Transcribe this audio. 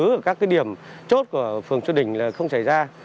ở các điểm chốt của phường xuân đình là không xảy ra